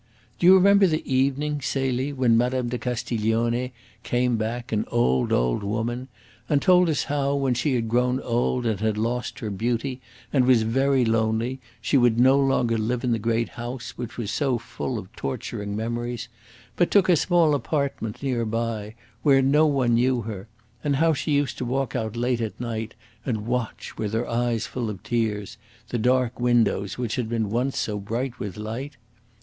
Do you remember the evening, Celie, when Mme. de Castiglione came back an old, old woman, and told us how, when she had grown old and had lost her beauty and was very lonely, she would no longer live in the great house which was so full of torturing memories, but took a small APPARTEMENT near by, where no one knew her; and how she used to walk out late at night, and watch, with her eyes full of tears, the dark windows which had been once so bright with light?